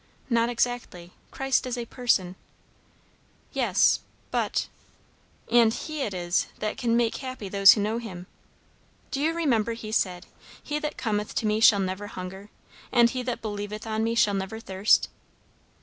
"Not exactly. Christ is a person." "Yes but" "And he it is that can make happy those who know him. Do you remember he said, 'He that cometh to me shall never hunger, and he that believeth on me shall never thirst'?"